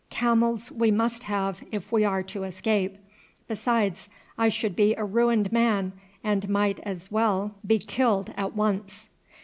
Camels we must have if we are to escape. Besides, I should be a ruined man, and might as well be killed at once."